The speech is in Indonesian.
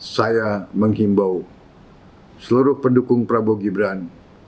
saya menghimbau seluruh pendukung prabowo gibran